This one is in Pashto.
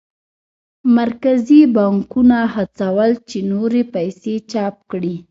مرکزي بانکونه هڅول چې نورې پیسې چاپ کړي.